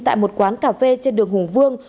tại một quán cà phê trên đường hùng vương